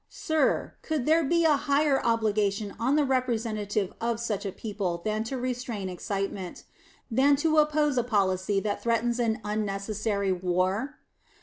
Sir, could there be a higher obligation on the representative of such a people than to restrain excitement than to oppose a policy that threatens an unnecessary war?...